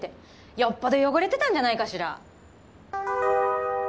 よっぽど汚れてたんじゃないかしら。